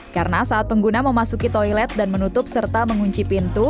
karena saat pengguna memasuki toilet dan menutup serta mengunci pintu